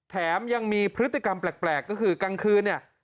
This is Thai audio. แถมยังมีพฤติกรรมแปลกก็คือกลางคืนเนี่ย